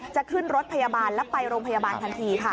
จะขึ้นรถพยาบาลแล้วไปโรงพยาบาลทันทีค่ะ